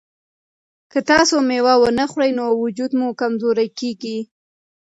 که تاسي مېوه ونه خورئ نو وجود مو کمزوری کیږي.